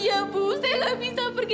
ibu gak boleh